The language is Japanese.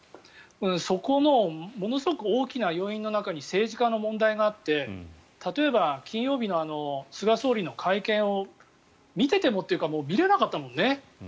そこのものすごく大きな要因の中に政治家の問題があって例えば、金曜日の菅総理の会見を見ててもというかもう見れなかったもんね。